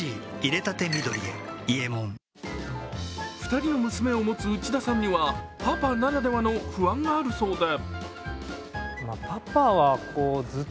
２人の娘を持つ内田さんにはパパならではの不安があるそうで。